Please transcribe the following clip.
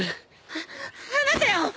は離せよ！